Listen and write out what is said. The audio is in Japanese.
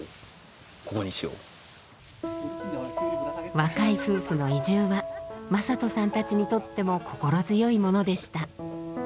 若い夫婦の移住は正人さんたちにとっても心強いものでした。